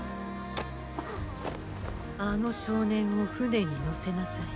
あの少年を船に乗せなさい。